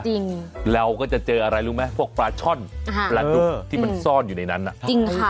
เราก็จะเจออะไรรู้ไหมพวกปลาช่อนปลาดุบที่มันซ่อนอยู่ในนั้น